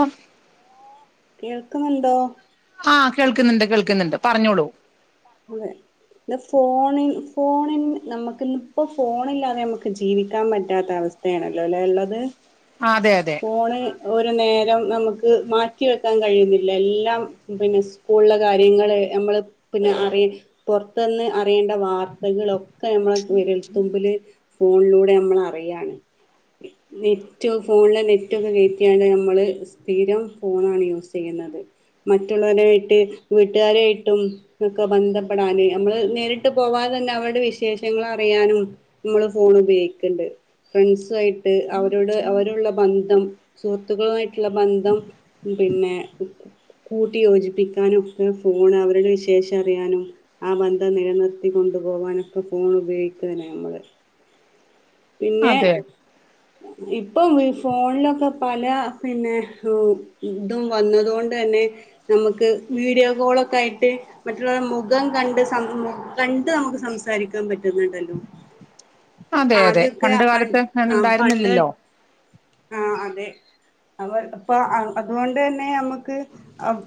ഓ കേൾക്കുന്നുണ്ടോ ആ കേൾക്കുന്നുണ്ട് കേൾ കേൾക്കുന്നുണ്ട് പറഞ്ഞോളൂ ഫോണി ഫോണിൻ നമുക്ക് ഇന്നിപ്പോൾ ഫോണില്ലാതെ നമുക്ക് ജീവിക്കാൻ പറ്റാത്ത അവസ്ഥയാണല്ലോ അല്ലെ ഉള്ളത് അതെ അതെ ഫോണ് ഒരു നേരം നമ്മുക്ക് മാറ്റി വെക്കാൻ കഴിയ്ണില്ല എല്ലാം പിന്നെ സ്കൂളിലെ കാര്യ കാര്യങ്ങള് നമ്മള് പിന്നെ അറി പുറത്ത്ന്ന് അറിയേണ്ട വാർത്തകളൊക്കെ ഒക്കെ നമ്മളെ വിരൽത്തുമ്പില് ഫോണിലൂടെ നമ്മളറിയാണ് നെറ്റ് ഫോണില് നെറ്റ് ഒക്കെ കയറ്റിയാണ് നമ്മള് സ്ഥിരം ഫോണാണ് യൂസ് ചെയ്യുന്നത് മറ്റുള്ളവരായിട്ട് വീട്ടുക്കാരായിട്ടും ഒക്കെ ബന്ധപ്പെടാൻ നമ്മള് നേരിട്ട് പോകാതെ തന്നെ അവരുടെ വിശേഷങ്ങൾ അറിയാനും നമ്മൾ ഫോൺ ഉപയോഗിക്കുന്നുണ്ട് ഫ്രണ്ട്സായിട്ട് അവരോട് അവരുള്ള ബന്ധം സുഹൃത്തുക്കളുമായിട്ടുള്ള ബന്ധം പിന്നെ കൂട്ടി യോജിപ്പിക്കാനും ഫോൺ അവരുടെ വിശേഷം അറിയാനും ആ ബന്ധം നിലനിർത്തി കൊണ്ടു പോകാനൊക്കെ ഫോൺ ഉപയോഗിക്കാണ് നമ്മള് പിന്നെ അതെ ഇപ്പം ഈ ഫോണിലൊക്കെ പല പിന്നെ ഇതും വന്നതുകൊണ്ട് തന്നെ നമുക്ക് വീഡിയോ കോളൊക്കെ ആയിട്ട് മറ്റുള്ളവരു മുഖം കണ്ട് സം കണ്ട് നമുക്ക് സംസാരിക്കാൻ പറ്റുന്നുണ്ടല്ലോ മ് അതെ അതെ ആദ്യക്കെ ആ പണ്ട് പ കാലത്ത് ആ പണ്ട് അങ്ങനൊണ്ടായിരുന്നില്ലല്ലോ ആ അതെ അവര് അപ്പൊ അതുകൊണ്ട് തന്നെ നമ്മുക്ക്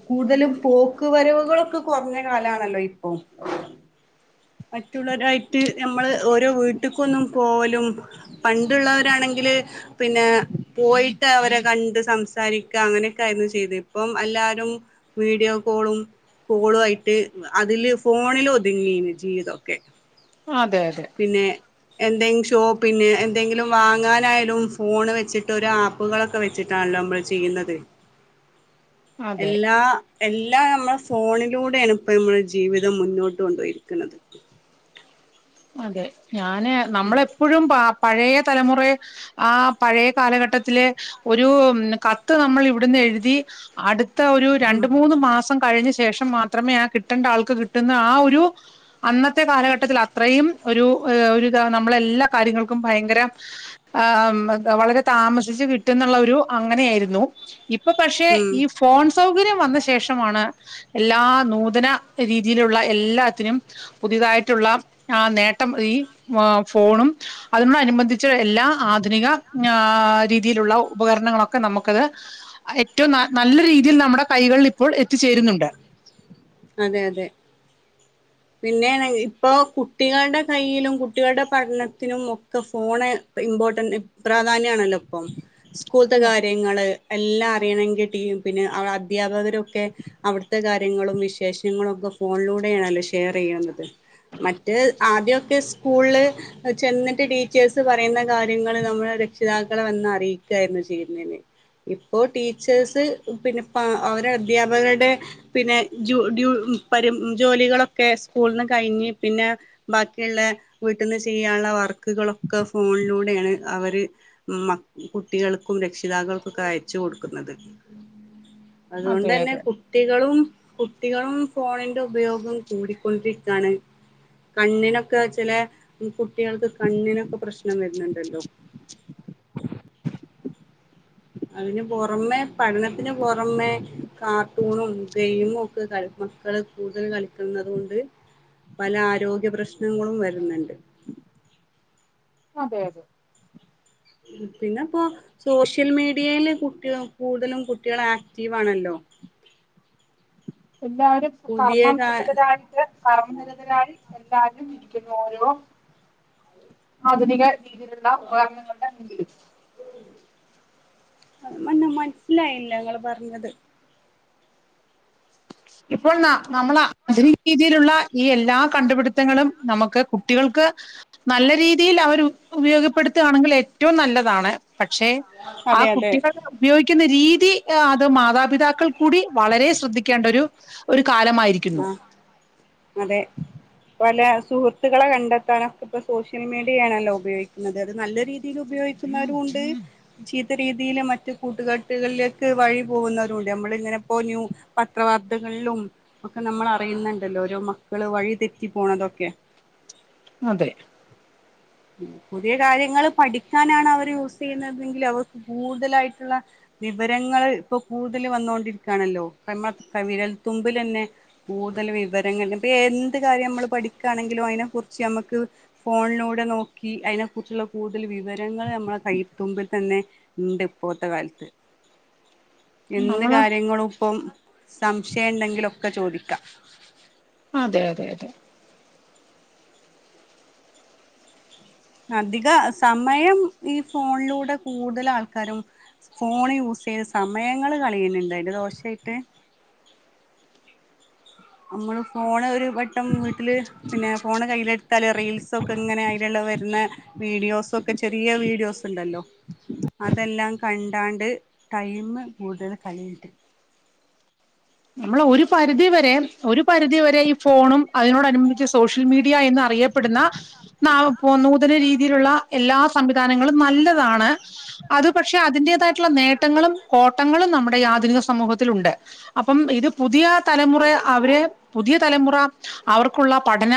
കൂടുതലും പോക്ക് വരവുകളൊക്കെ കുറഞ്ഞ കാലാണല്ലോ ഇപ്പൊ മറ്റുള്ളവരായിട്ട് നമ്മള് ഓരോ വീട്ടക്കൊന്നും പോലും പണ്ടുള്ളവരാണെങ്കില് പിന്നെ പോയിട്ട് അവരെ കണ്ട് സംസാരിക്ക അങ്ങനെയൊക്കെ ആയിരുന്നു ചെയ്ത് ഇപ്പം എല്ലാവാരും വീഡിയോ കോളും കോളു ആയിട്ട് അതില് ഫോണിൽ ഒതുങ്ങി ജീവിതംഒക്കെ അതെ അതെ എന്തെങ്കിലും ഷോപ്പിന് എന്തെങ്കിലും വാങ്ങാനായാലും ഫോണ് വെച്ചിട്ട് ഒരു ആപ്പുകളൊക്കെ വെച്ചിട്ടാണല്ലോ നമ്മൾ ചെയ്യുന്നത് അതെ എല്ലാ എല്ലാം നമ്മുടെ ഫോണിലൂടെയാണ് ഇപ്പൊ നമ്മുടെ ജീവിതം മുന്നോട്ട് കൊണ്ട്പോയിരിക്കുന്നത് അതെ ഞാന് നമ്മളെപ്പോഴും പ പഴയ തലമുറ ആ പഴയ കാലഘട്ടത്തിലെ ഒരു കത്ത് നമ്മൾ ഇവിടുന്ന് എഴുതി അട് അടുത്ത ഒരു ഉം രണ്ട് മൂന്ന് മാസം കഴിഞ്ഞ ശേ- ശേഷം മാത്രമേ ആ കിട്ടേണ്ട ആൾക്ക് കിട്ടുന്ന ആ ഒരു അന്നത്തെ കാലഘട്ടത്തിൽ- അത്രയും ഒരു നമ്മള് എല്ലാ കാര്യങ്ങൾക്കും ഭയങ്കര ആ വളരെ താമസിച്ച് കിട്ടുന്നുള്ള ഒരു അങ്ങനെയായിരുന്നു ഇപ്പൊ പക്ഷെ ഈ ഉം ഫോൺസ് സൗകര്യം വന്ന ശേഷമാണ് എല്ലാ നൂതന രീതിയിലുള്ള എല്ലാത്തിനും പുതിയതായിട്ടുള്ള ആ നേട്ടം ഈ ർ ഫോണും അതിമ്മ അനുബന്ധിച്ച എല്ലാ ആധുനിക [unintelligible] രീതിയിലുള്ള ഉപകരണങ്ങളൊക്കെ നമുക്കത് ഏറ്റവും നല്ല രീതിയിൽ നമ്മുടെ കൈകളിൽ ഇപ്പോൾ എത്തിച്ചേരുന്നുണ്ട് അതെ അതെ പിന്നെ ഇപ്പൊ കുട്ടികളുടെ കൈയിലും കുട്ടികളുടെ പഠനത്തിനും ഒക്കെ ഫോണ് ഇമ്പോർട്ടന്റ് പ്രാധാന്യാണല്ലോ ഇപ്പം സ്കൂള്ത്തെ അതെ കാര്യങ്ങള് എല്ല അറിയണങ്കി ടീ പിന്നെ അധ്യാപകരൊക്കെ അവിടുത്തെ കാര്യങ്ങളും മി വിശേഷങ്ങളൊക്കെ ഫോണിലൂടെയാണല്ലോ ഷെയർ ചെയ്യുന്നത് മറ്റേ ആദ്യക്കെ സ്കൂളിൽ ചെന്നിട്ട് ടീച്ചേഴ്സ് പറയുന്ന കാര്യങ്ങൾ നമ്മൾ രക്ഷിതാക്കളെ വന്ന് അറിയിക്കായിരുന്നു ചെയ്യുന്നന് ഇപ്പോ ടീച്ചേഴ്സ് പിന്നെ അവരുടെ അദ്ധ്യാപകരുടെ പിന്നെ [unintelligible] ജോലികളൊക്കെ സ്കൂളിന്നു കഴിഞ്ഞ്, പിന്നെ ബാക്കിയുള്ള വീട്ടിൽന്ന് ചെയ്യാനുള്ള വർക്കുകളൊക്കെ, ഫോണിലൂടെയാണ് അവര് മ കുട്ടികൾക്കും, രക്ഷിതാക്കൾക്കൊക്കെ അയച്ചു കൊടുക്കുന്നത്. അതുകൊണ്ട് അതെ തന്നെ അതെ കുട്ടികളും. കുട്ടികളും ഫോണിന്റെ ഉപയോഗം കൂടിക്കൊണ്ടിരിക്കയാണ്, കണ്ണിനൊക്കെ ചില കുട്ടികൾക്ക് കണ്ണിനൊക്കെ പ്രശ്നം വരുന്നുണ്ടല്ലോ. അതിനു പുറമെ, പഠനത്തിന് പുറമെ കാർട്ടൂണും, ഗെയിമും ഒക്കെ കളി മക്കള് കൂടുതൽ കളിക്കുന്നുന്നത് കൊണ്ട് പല ആരോഗ്യ പ്രശ്നങ്ങളും വരുന്നുണ്ട്. അതെ അതെ. പിന്നെ ഇപ്പോ സോഷ്യൽ മീഡിയയില് കുട്ടി കൂടുതലും കുട്ടികൾ ആക്റ്റീവ് ആണല്ലോ. എല്ലരും പുതിയ കാ കർമ്മനിരതരായിട്ട് കർമ്മനിരതരായി എ [unintelligible] ഇരിക്കുന്ന ഓരോ ആധുനിക രീതിയിലുള്ള ഉപകരണങ്ങളുടെ മുമ്പിലും മന്ന മനസ്സിലായില്ല ങ്ങള് പറഞ്ഞത്. ഇപ്പോൾെന്നാ നമ്മള് അത് രീതിയിലുള്ള. ഈ എല്ലാ കണ്ടുപിടുത്തങ്ങളും, നമുക്ക് കുട്ടികൾക്ക് നല്ല രീതിയിൽ അവർ ഉപയോഗപ്പെടുത്തുകയാണെങ്കിൽ ഏറ്റവും നല്ലതാണ്. പക്ഷെ ആ അതെ അതെ കുട്ടികളെ ഉപ രീതി അത് മാതാപിതാക്കൾ കൂടി വളരെ ശ്രദ്ധിക്ക്. ക്കേണ്ടൊരു ഒരു ആഹ അതെ പല. സുഹൃത്തുക്കളെ കണ്ടെത്താനൊക്കെ ഇപ്പോ സോഷ്യൽ മീഡിയയാണല്ലോ ഉപയോഗിക്കുന്നത് അത് നല്ല രീതി ഉപയോഗിക്കുന്നവരും ഉണ്ട്. രീതിയിൽ മറ്റ് കൂട്ടു കെട്ടുകളിലേക്ക് വഴി പോകുന്നവരുണ്ട്, നമ്മൾ ഇങ്ങനെപ്പോ ന്യൂ പത്രവാാർത്തകളിലും. ഒക്കെ നമ്മൾ അറിയുന്നുണ്ടല്ലോ, ഓരോ മക്കള് വഴി തെറ്റി പോണതൊക്കെ. അതെ പുതിയ കാര്യങ്ങൾ പഠിക്കാനാണ് അവർ യൂസ് ചെയ്യുന്നതെങ്കിൽ, അവർക്ക് കൂടുതലായിട്ടുള്ള വിവരങ്ങൾ ഇപ്പൊ കൂടുതൽ വന്നോണ്ടിരിക്കുകയാണല്ലോ. വിരൽത്തുമ്പിൽ തന്നെ കൂടുതൽ വിവരങ്ങൾ, ഇപ്പൊ എന്ത് കാര്യം നമ്മൾ പഠിക്കുകയാണെങ്കിലും അതിനെ കുറിച്ച് നമ്മുക്ക് ഫോണിലൂടെ അതിനെ കുറിച്ചുള്ള കൂടുതൽ വിവരങ്ങൾ, നമ്മെ കൈത്തുമ്പിൽ തന്നെ ഉണ്ട് ഇപ്പോഴത്തെ കാലത്ത്. എന്ത് നമ്മള് കാര്യങ്ങളും ഇപ്പം. സംശയം ഇണ്ടെങ്കിലൊക്കെ ചോദി അതെ അതെ അതെ. അധിക സമയം ഈ ഫോണിലൂടെ കൂടുതൽ ആൾക്കാരും ഫോണ് യൂസ് ചെയ്ത് സമയങ്ങള് കളയുന്നിണ്ട് ദോഷായിട്ട്. നമ്മള് ഫോണ് ഒരു വട്ടം വീട്ടില് പിന്നെ ഫോൺ കയ്യിലെടുത്താൽ റീൽസൊക്കെ ഇങ്ങനെ, അതിലുള്ള വരുന്ന വീഡിയോസൊക്കെ ചെറിയ വീഡിയോസ് ഉണ്ടല്ലോ അതെല്ലാം കണ്ട്. [unintelligible] ടൈം കൂടുതൽ കളയുന്നിണ്ട്. നമ്മൾ ഒരു പരിധി വരെ ഒരു പരിധി വരെ ഈ ഫോണും, അതിനോട്നുബന്ധിച്ച് സോഷ്യൽ മീഡിയ എന്ന് അറിയപ്പെടുന്ന ന നൂതന രീതിയിലുള്ള എല്ലാ സംവിധാനങ്ങളും നല്ലതാണ്, അത് പക്ഷെ അതിന്റതായിട്ട്. [unintelligible] നേട്ടങ്ങളും കോട്ടങ്ങളും നമ്മു ഈ ആധുനിക സമൂഹത്തിൽ ഉണ്ട്. അപ്പം ഇത് പുതിയ തലമുറ അവരെ പുതിയ തലമുറ അവർക്കുള്ള പഠന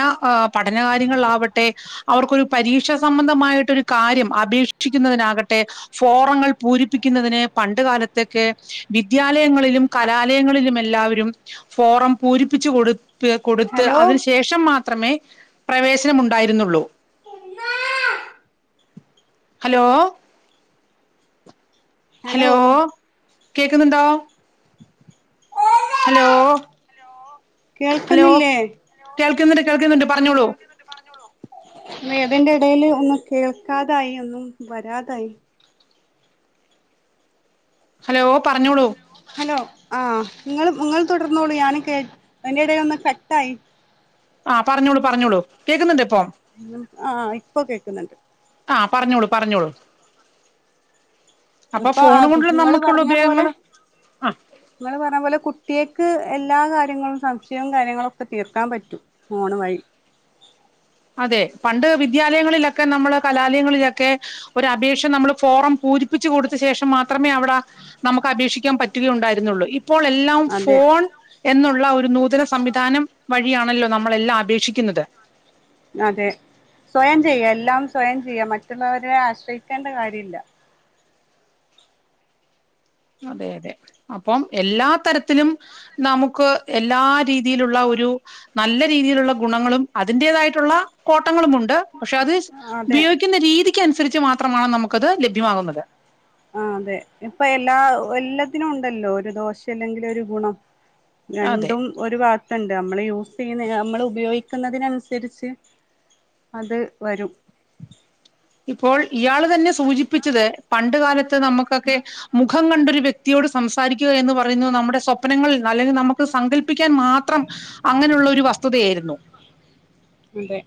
പഠനകാര്യങ്ങള ആവട്ടെ, അവർക്കൊരു പരീക്ഷ സംബന്ധമായിട്ടൊരു കാര്യം അപേക്ഷിക്കുന്നതിനാകട്ടെ, ഫോറങ്ങൾ പൂരിപ്പിക്കുന്നതിന് പണ്ട് കാലത്തൊക്കെ വിദ്യാലയങ്ങളിലും കല [unintelligible] എല്ലാവരും ഫോറം പൂരിപ്പിച്ച് കൊടു കൊടുത്ത് ഹലോ അതിനന് ശേഷം മാത്രം മാത്രമേ പ്രവേശനം ഉണ്ടായിരുന്നുള്ളൂ ഉമ്മാ ഹലോ ഹലോ കേക്കുന്നുണ്ടോ ഹലോ ഹലോ കേൾക്കുന്നില്ലേ കേൾക്കുന്നുണ്ട് കേൾക്കുന്നുണ്ട് പറഞ്ഞോളൂ വേദറെ ഇടയിൽ ഒന്നും കേൾക്കാതായി ഒന്നും വരാതായി ഹലോ പറഞ്ഞോളൂ ഹലോ ആ നിങ്ങ നിങ്ങൾ തുടർന്നോളൂ ഞൻ കേ എറെ ഇടയിൽൊന്ന് ഫക്ട് ആായി ആഹ പറഞ്ഞോളൂ പറഞ്ഞോളൂ കേൾക്കുന്നുണ്ട് ഇപ്പം ആഹ ഇപ്പൊ കേക്കുന്നുണ്ട് ആ പറഞ്ഞോളൂ പറഞ്ഞോളൂ അപ്പൊ ഇപ്പോൊ ആ ഫോണും കൊണ്ടുള്ള നിങ്ങള്ൾ നമുക്കുള്ള പറഞ്ഞ പോലെ ഉപയോഗങ്ങള് ആ നിങ്ങള്ൾ പറഞ്ഞ പോലെ കുട്ടിയക്ക് എല്ലാ കാര്യങ്ങളും സംശയവും കാര്യങ്ങളൊക്കെ തീർക്കാൻ പറ്റും ഫോണ് വഴി അതെ പണ്ട് വിദ്യാലയങ്ങളിലൊക്കെ നമ്മള് കലാലയങ്ങളിലൊക്കെ ഒരു അപേക്ഷ നമ്മള് ഫോറം പൂരിപ്പിച്ച് കൊടുത്ത ശേഷം മാത്രമേ അവിടെ നമുക്ക് അപേക്ഷിക്കാൻ പറ്റുകയുണ്ടായിരുന്നുള്ളൂ ഇപ്പോൾ എല്ലാം അതെ ഫോൺ എന്നുള്ള ഒരു നൂതന സംവിധാനം വഴിയാണല്ലോ നമ്മളെല്ലാം അപേക്ഷിക്കുന്നത് അതെ സ്വയം ചെയ്യാ എല്ലാം സ്വയം ചെയ്യ മറ്റുള്ളവരെ ആശ്രയിക്കേണ്ട കാര്യമില്ല അതെ അതെ അപ്പം എല്ലാ തരത്തിലും നമുക്ക് എല്ലാ രീതിയിലുള്ള ഒരു നല്ല രീതിയിലുള്ള ഗുണങ്ങളും അതിറതായിട്ടുള്ള കോട്ട ങ്ങളുംുണ്ട് പക്ഷെ അത് അതെ ഉപയോഗിക്കുന്ന രീതി അനുസരിച്ച് മാത്രമാണ് നമുക്കത് ലഭ്യമാകുന്നത് ആ അതെ ഇപ്പൊ എല്ലാ എല്ലാത്തിനും ഉണ്ടല്ലോ ഒരു ദോശ അല്ലെങ്കില ഒരു ഗുണം അതെ രണ്ടും ഒരു വാത്തുണ്ട് നമ്മള് യൂസ് ചെയ്യുന്ന നമ്മൾ ഉപയോഗിക്കുന്നതിനനുസരിച്ച് അത് വരും ഇപ്പോൾ ഇയാൾ തന്നെ സൂചിപ്പിച്ചത് പണ്ട് കാലത്ത് നമുക്കൊക്കെ മുഖം കണ്ടൊരു വ്യക് വ്യക്തിയോട് സംസാരിക്കുക എന്ന് പറയുന്നത് നമ്മുടെ സ്വപ്നങ്ങളിൽ അല്ലെങ്കിൽ നമുക്ക് സങ്കല്പിക്കാൻ മാത്രം അങ്ങനെയുള്ള ഒരു വസ്തുതയായിരുന്നു അതെ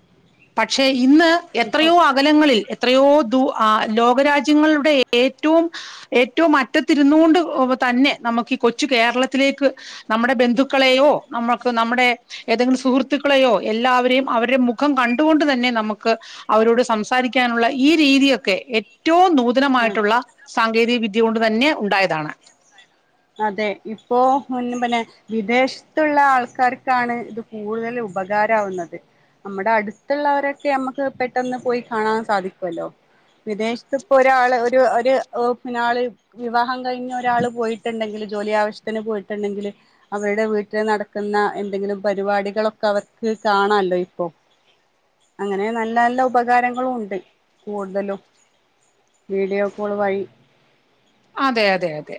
പക്ഷെ ഇന്ന് ഇപ്പൊ എത്രയോ അകലങ്ങളിൽ എത്രയോ ദ ലോകരാജ്യങ്ങളുടെ ഏറ്റവും ഏറ്റവും അറ്റത്തിരുന്ന കൊണ്ട് തന്നെ നമുക്ക് ഈ കൊച്ചു കേരളത്തിലേക്ക് നമ്മുടെ ബന്ധുക്കളെയോ നമുക്ക് നമ്മുടെ ഏതെങ്കിലും സുഹൃത്തുക്കളെയോ എല്ലാവരെയും അവരുടെ മുഖം കണ്ടുകൊണ്ട് തന്നെ നമുക്ക് അവരോട് സംസാരിക്ക ാനുള്ള ഈ രീതിയൊക്കെ ഏറ്റവും ആഹ് നൂതനമായിട്ടുള്ള സാങ്കേതിക വിദ്യ കൊണ്ട് തന്നെ ഉണ്ടായതാണ് അതെ ഇപ്പോൊ പിന്നെ വിദേശത്തുള്ള ആൾക്കാർക്കാണ് ഇത് കൂടുതൽ ഉപകാരവുന്നത് നമ്മുടെ അടുത്തുള്ളവരൊക്കെ നമ്മുക്ക് പെട്ടെന്ന് പോയി കാണാൻ സാധിക്കുമല്ലോ വിദേശത്ത്പ്പോൊ ഒരാള് ഒരു ഒരു പിന്ന ആള് വിവാഹം കഴിഞ്ഞ് ഒരാള് പോയി് ട്ടുണ്ടെങ്കിൽ ജോലി ആവശ്യത്തിന് പോയിട്ടുണ്ടെങ്കിൽ അവരുടെ വീട്ടിൽ നടക്കുന്ന എന്തെങ്കിലും പരിപാടികളൊക്കെ അവർക്ക് കാണാമല്ലോ ഇപ്പോൊ അങ്ങനെ നല്ല നല്ല ഉപകാരങ്ങളും ഉണ്ട് കൂടുതലും വീഡിയോ കോൾ വഴി അതെ അതെ അതെ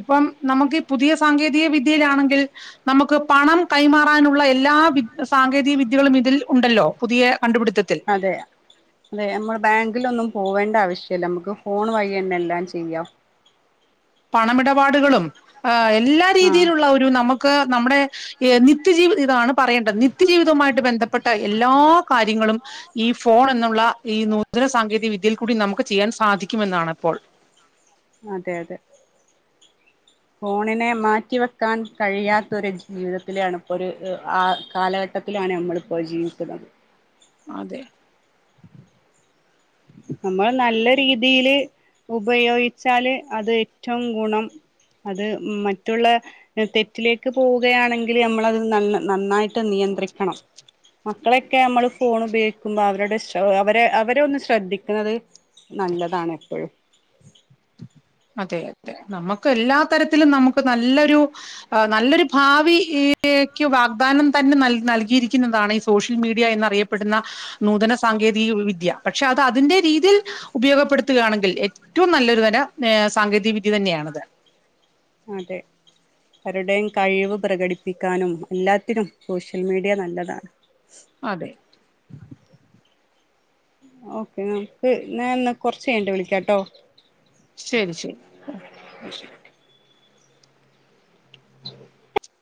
ഇപ്പം നമുക്ക് പുതിയ സാങ്കേതിക വിദ്യയിലാണെങ്കിൽ നമുക്ക് പണം കൈമാറാനുള്ള എല്ലാ വി സാങ്കേതിക വിദ്യകളും ഇതിൽ ഉണ്ടല്ലോ പുതിയ കണ്ടുപിടുത്തത്തിൽ അതെയ അതെ നമ്മള് ബാങ്കിലൊന്നും പോവേണ്ട ആവശ്യല്ല നമുക്ക് ഫോൺ വഴി തന്നെ എല്ലാം ചെയ്യാം പണമിടപാടുകളും ആ എല്ലാ ആഹ് രീതിയിലുള്ള ഒരു നമുക്ക് നമ്മുടെ ഈ നിത്യജീവി ഇതാണ് പറയേണ്ടത് നിത്യജീവിതവുമായിട്ട് ബന്ധപ്പെട്ട എല്ലാ കാര്യങ്ങളും ഈ ഫോൺ എന്നുള്ള ഈ നൂതന സാങ്കേതിക വിദ്യയിൽ കൂടി നമുക്ക് ചെയ്യാൻ സാധിക്കുമെന്നാണ് ഇപ്പോൾ അതെ അതെ ഫോണിനെ മാറ്റിവെക്കാൻ കഴിയാത്തൊരു ജീവിതത്തിലാണ് ഇപ്പൊരു അ കാലഘട്ടത്തിലാണ് നമ്മളിപ്പൊ ജീവിക്കുന്നത് അതെ നമ്മള് നല്ല രീതിയില് ഉപയോഗിച്ചാല് അത് ഏറ്റവും ഗുണം അത് മറ്റുള്ള തെറ്റിലേക്ക് പോവുകയാണെങ്കിൽ നമ്മളത് ന നന്നായിട്ട് നിയന്ത്രിക്കണം മക്കളൊക്കെ നമ്മള് ഫോണുപയോഗിക്കുമ്പോ അവരുടെ ശൊ അവരെ അവരെ ഒന്ന് ശ്രദ്ധി ുന്നത് നല്ലതാണ് എപ്പോഴും അതെ അതെ നമുക്ക് എല്ലാ തരത്തിലും നമുക്ക് നല്ലൊരു നല്ലൊരു ഭാവി ക്ക് വാഗ്ദാനം തന്നെ ന നൽകിയിരിക്കുന്നതാണ് ഈ സോഷ്യൽ മീഡിയ എന്നന്ന്റിയപ്പെടുന്ന നൂതന സാങ്കേതിക വിദ്യ പക്ഷെ അത് അതിന്റെറെ ഇതിൽ ഉപയോഗപ്പെടുത്തുകയാണെങ്കിൽ ഏറ്റവും നല്ലൊരു വര നേ സാങ്കേതികവിദ്യ തന്നെയാണത് അതെ അവരുടെയും കഴിവ് പ്രകടിപ്പിക്കാനും എല്ലാത്തിനും സോഷ്യൽ മീഡിയ നല്ലതാണ് അതെ ഓക്കെ നമുക്ക് ഞായെന്ന കൊറച്ചഴിഞ്ഞിട്ട് വിളിക്കാട്ടോ ശരി ശരി [unintelligible]